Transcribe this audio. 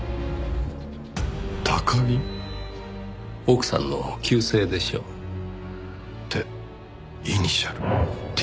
奥さんの旧姓でしょう。ってイニシャル「Ｔ」。